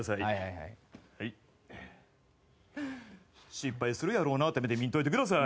失敗するやろうなって目で見ないでください。